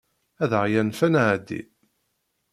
Ad aɣ-yanef ad nɛeddi.